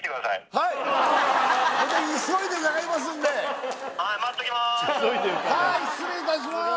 はい失礼いたします